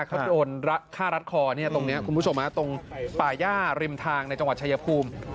เขาจะโดนฆ่ารัดคอตรงนี้คุณผู้ชมตรงป่าย่าริมทางในจังหวัดชายภูมิ